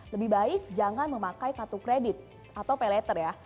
lebih baik jangan memakai kartu kredit atau pay letter ya